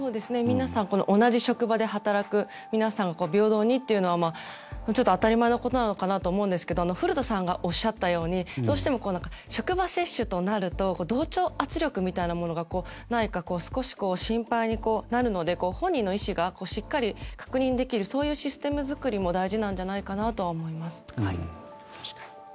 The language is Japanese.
皆さん同じ職場で働く皆さんが平等にというのは当たり前のことなのかなと思うんですけど古田さんがおっしゃったようにどうしても職場接種となると同調圧力みたいなものが少し心配になるので本人の意思がしっかり確認できるそういうシステム作りも大事なんじゃないかなと思います。